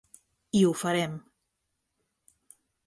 I ho farem.